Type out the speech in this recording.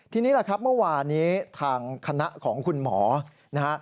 ทีนี้แหละครับเมื่อวานนี้ทางคณะของคุณหมอนะฮะ